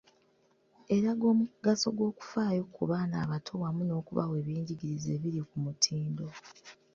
Eraga omugaso gw’okufaayo ku baana abato wamu n’okubawa eby’enjigiriza ebiri ku mutindo.